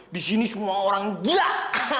disini semua orang jah